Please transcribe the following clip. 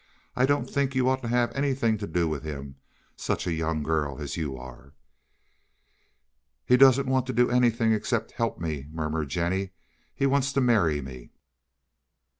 I don't think you ought to have anything to do with him—such a young girl as you are." "He doesn't want to do anything except help me," murmured Jennie. "He wants to marry me."